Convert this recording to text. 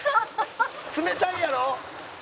冷たいやろ？